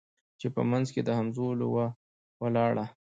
چي په منځ کي د همزولو وه ولاړه